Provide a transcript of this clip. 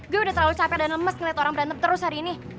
gue udah terlalu capek dan lemes ngeliat orang berantem terus hari ini